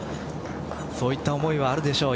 そういった思いはあるでしょう